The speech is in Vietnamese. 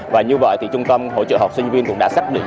và như vậy thì trung tâm hỗ trợ học sinh viên cũng đã xác định